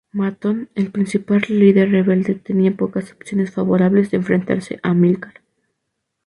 Matón, el principal líder rebelde tenía pocas opciones favorables de enfrentarse a Amílcar.